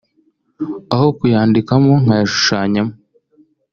aho kuyandikamo nkayashushanyamo